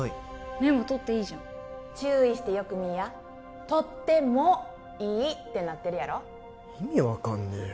メモ取っていいじゃん注意してよく見いや取ってもいいってなってるやろ意味分かんねえよ